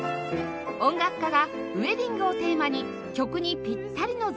音楽家がウェディングをテーマに曲にぴったりの絶景の中で演奏します